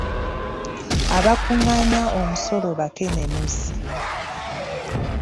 Abakungaanya omusolo bakenenuzi